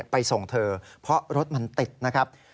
ไปส่งเธอเพราะรถมันติดนะครับ